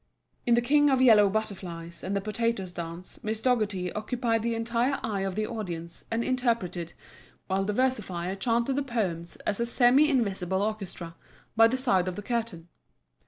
In the King of Yellow Butterflies and the Potatoes' Dance Miss Dougherty occupied the entire eye of the audience and interpreted, while the versifier chanted the poems as a semi invisible orchestra, by the side of the curtain.